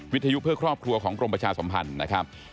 วิทยุเพื่อครอบครัวของกรมประชาสัมพันธ์นะครับ